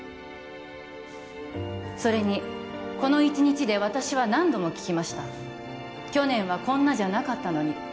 それにこの一日で私は何度も聞きました「去年はこんなじゃなかったのに」